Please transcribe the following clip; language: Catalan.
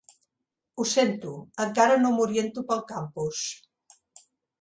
Ho sento, encara no m'oriento pel campus.